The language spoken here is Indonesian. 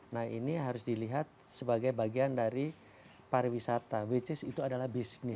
nah ini harus dilihat sebagai bagian dari pariwisata which is itu adalah bisnis